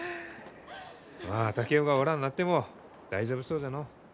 まあ竹雄がおらんなっても大丈夫そうじゃのう。